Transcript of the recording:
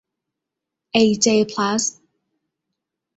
เอ เจ พลาสท์